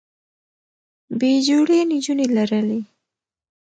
بې جوړې نجونې لرلې